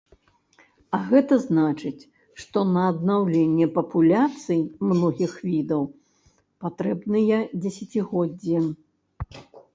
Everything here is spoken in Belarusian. А гэта значыць, што на аднаўленне папуляцый многіх відаў патрэбныя дзесяцігоддзі.